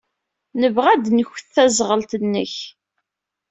Nebɣa ad nket taẓɣelt-nnek.